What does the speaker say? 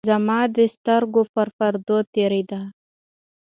زمـا د سـترګو پـر پـردو تېـرېده.